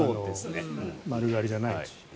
丸刈りじゃないチーム。